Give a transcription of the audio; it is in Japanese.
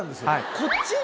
こっち？